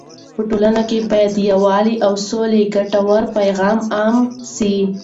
په ټولنه کې باید د یووالي او سولې ګټور پیغام عام سي.